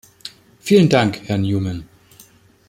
Vielen Dank, Herr Newman.